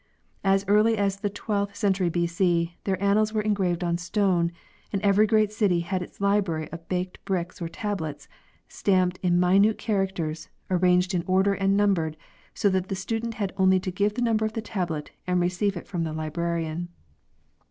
As early as the twentieth century B. C. their annals were engraved on stone, and every great city had its library of baked bricks or tablets, stamped in minute char acters, arranged in order and numbered, so that the student had only to give the number of the tablet and receive it from the librarian.